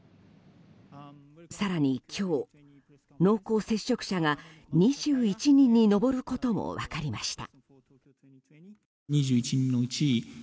更に今日、濃厚接触者が２１人に上ることも分かりました。